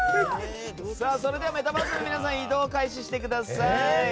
それではメタバースの皆さん移動を開始してください。